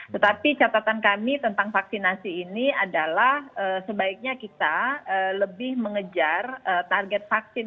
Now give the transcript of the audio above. tetapi catatan kami tentang vaksinasi ini adalah sebaiknya kita lebih mengejar target vaksin